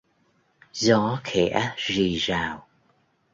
Gió khẽ rì rào